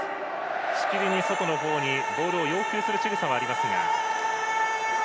しきりに外の方にボールを要求するしぐさがありますが。